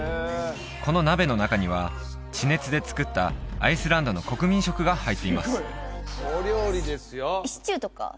この鍋の中には地熱で作ったアイスランドの国民食が入っていますシチュー？